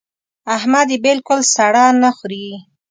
احمد يې بالکل سړه نه خوري.